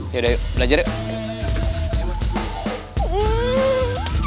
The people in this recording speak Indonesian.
yaudah yuk belajar yuk